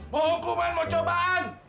mau hukuman mau cobaan